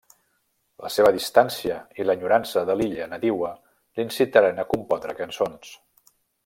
La seva distància i l'enyorança de l'illa nadiua l'incitaren a compondre cançons.